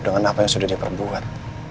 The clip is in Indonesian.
dengan apa yang sudah diperbuat